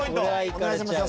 お願いしますよ